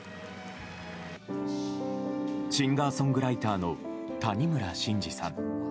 シンガーソングライターの谷村新司さん。